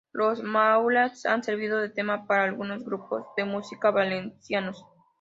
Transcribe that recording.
Los "maulets" han servido de tema para algunos grupos de música valencianos.